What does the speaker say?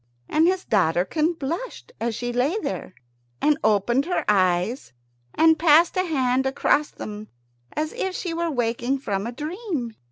And his daughterkin blushed as she lay there, and opened her eyes, and passed a hand across them, as if she were waking from a dream.